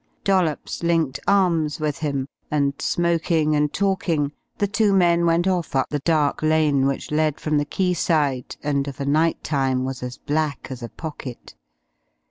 Dollops linked arms with him, and, smoking and talking, the two men went off up the dark lane which led from the quayside, and of a night time was as black as a pocket.